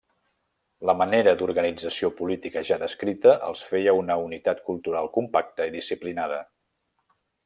La manera d'organització política ja descrita els feia una unitat cultural compacta i disciplinada.